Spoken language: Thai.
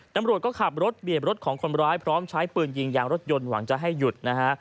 ตำรวจก็ขับรถเบียดรถของคนร้ายพร้อมใช้ปืนยิงยางรถยนต์หวังจะให้หยุดนะฮะ